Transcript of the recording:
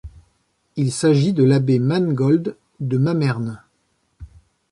Il s'agit de l'abbé Manegold de Mammern.